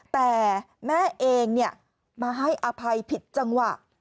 แต่แม่เองมาให้อภัยผิดจังหวะ